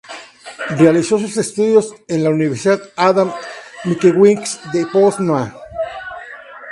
Realizó sus estudios en la Universidad Adam Mickiewicz de Poznań.